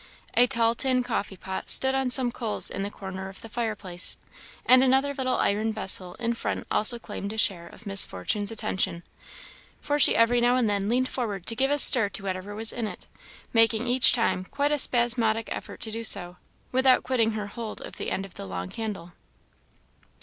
A tall tin coffee pot stood on some coals in the corner of the fireplace, and another little iron vessel in front also claimed a share of Miss Fortune's attention, for she every now and then leaned forward to give a stir to whatever was in it, making each time quite a spasmodic effort to do so, without quitting her hold of the end of the long handle.